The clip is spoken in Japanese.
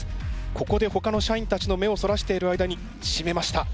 ここでほかの社員たちの目をそらしている間にしめました。